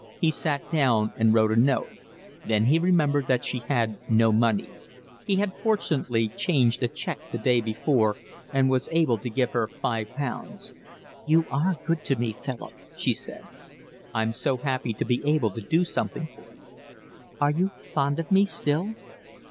He sat down and wrote a note. Then he remembered that she had no money. He had fortunately changed a cheque the day before and was able to give her five pounds. "You are good to me, Philip," she said. "I'm so happy to be able to do something for you." "Are you fond of me still?"